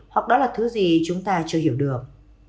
hoặc đó là thứ gì chúng ta chưa hiểu được